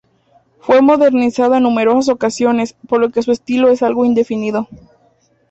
Fue modernizada en numerosas ocasiones por lo que su estilo es algo indefinido.